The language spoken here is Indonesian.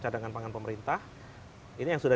cadangan pangan pemerintah ini yang sudah